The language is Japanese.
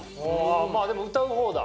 まあでも歌う方だ？